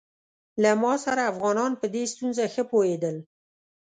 له ما سره افغانان په دې ستونزه ښه پوهېدل.